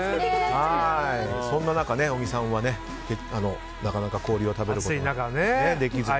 そんな中、小木さんはなかなか氷を食べることができず。